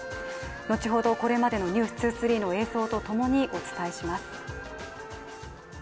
後ほど、これまでの「ｎｅｗｓ２３」の映像とともにお伝えします。